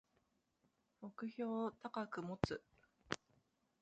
目標を高く持つ